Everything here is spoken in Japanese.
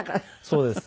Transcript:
そうです。